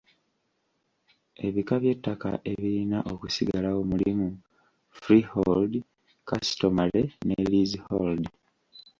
Ebika by'ettaka ebirina okusigalawo mulimu; freehold, customary ne leasehold.